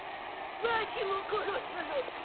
わしも殺すのか？